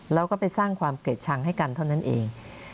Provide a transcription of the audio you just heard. แล้วก็ไปสร้างความเกลียดชังให้กันเท่านั้นเอง